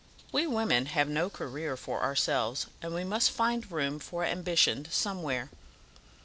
We women have no career for ourselves, and we must find room for ambition somewhere.